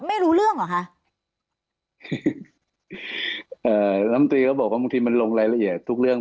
ไม่รู้เรื่องหรอคะน้ำตีบอกว่ามันลงรายละเอียดทุกเรื่อง